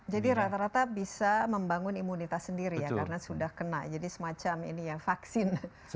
jadi rata rata bisa membangun imunitas sendiri ya karena sudah kena jadi semacam ini ya vaksin